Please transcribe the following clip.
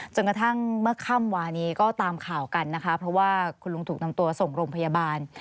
จนกระทั่งเมื่อค่ำวานี้ก็ตามข่าวกันนะคะเพราะว่าคุณลุงถูกนำตัวส่งโรงพยาบาล